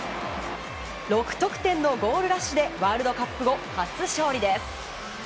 ６得点のゴールラッシュでワールドカップ後初勝利です。